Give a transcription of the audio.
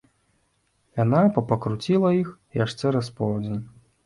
Яна папакруціла іх аж цераз поўдзень.